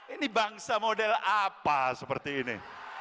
ini bangsa model apa seperti ini